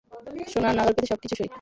সোনার নাগাল পেতে সবকিছু সই।